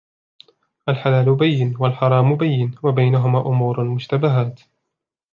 الحلال بيّن والحرام بيّن وبينهما امور مشتبهات